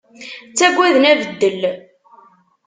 Ttagaden abeddel.